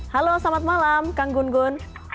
halo selamat malam kang gun gun